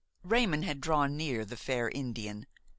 Raymon had drawn near the fair Indian.